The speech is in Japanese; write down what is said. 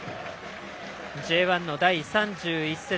Ｊ１の第３１節。